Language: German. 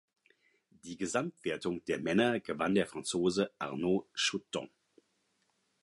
Die Gesamtwertung der Männer gewann der Franzose Arnaud Chautemps.